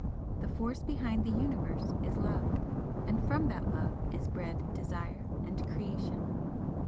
The Force behind the Universe is Love and from that Love is bred Desire and Creation.